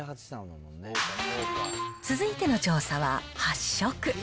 続いての調査は発色。